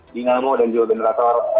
dingaroh dan juga generator